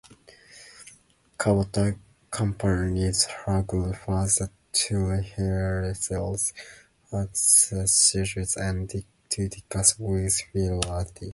Cabot accompanied her grandfather to rehearsals at theatres and to discussions with fellow artists.